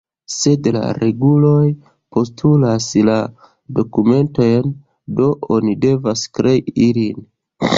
Sed la reguloj postulas la dokumentojn, do oni devas krei ilin.